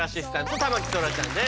田牧そらちゃんです。